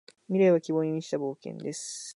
未来は希望に満ちた冒険です。